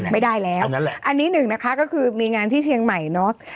ไม่ได้แล้วอันนี้หนึ่งนะคะก็คือมีงานที่เชียงใหม่เนาะ